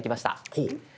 ほう！